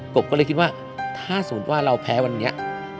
บก็เลยคิดว่าถ้าสมมุติว่าเราแพ้วันนี้